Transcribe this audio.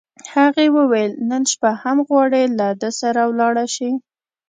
هغې وویل: نن شپه هم غواړې، له ده سره ولاړه شې؟